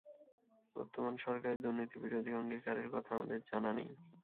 বর্তমান সরকারের দুর্নীতিবিরোধী অঙ্গীকারের কথা আমাদের জানা নেই।